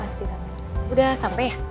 pasti tante udah sampe ya